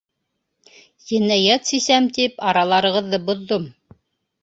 Енәйәт сисәм тип, араларығыҙҙы боҙҙом.